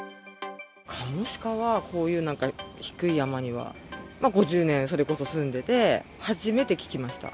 カモシカは、こういうなんか、低い山には、５０年、それこそ住んでて、初めて聞きました。